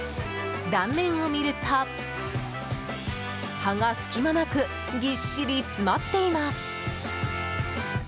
断面を見ると、葉が隙間なくぎっしり詰まっています。